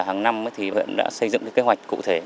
hàng năm huyện đã xây dựng kế hoạch cụ thể